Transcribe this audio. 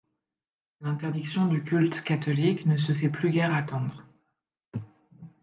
L'interdiction du culte catholique ne se fait plus guère attendre.